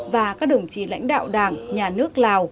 và các đồng chí lãnh đạo đảng nhà nước lào